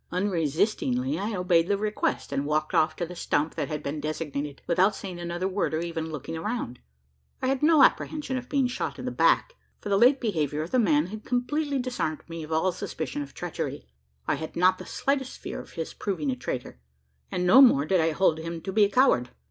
Unresistingly, I obeyed the request; and walked off to the stump that had been designated, without saying another word, or even looking around. I had no apprehension of being shot in the back: for the late behaviour of the man had completely disarmed me of all suspicion of treachery. I had not the slightest fear of his proving a traitor; and no more did I hold him to be a coward.